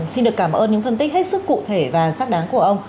xin được cảm ơn những phân tích hết sức cụ thể và xác đáng của ông